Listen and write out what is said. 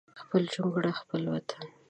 خپل جونګړه خپل وطن